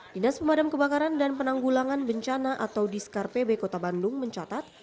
dinas pemadam kebakaran dan penanggulangan bencana atau diskar pb kota bandung mencatat